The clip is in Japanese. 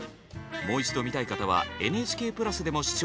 もう一度見たい方はＮＨＫプラスでも視聴できます。